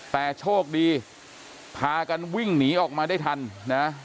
แต่โชคดีพากันวิ่งหนีออกมาได้ทันนะ